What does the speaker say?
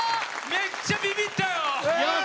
めっちゃビビッたよ！